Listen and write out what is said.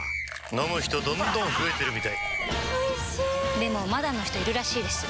飲む人どんどん増えてるみたいおいしでもまだの人いるらしいですよ